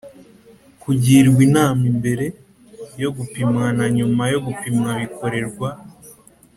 kugirwa inama mbere yo gupimwa na nyuma yo gupimwa bikorerwa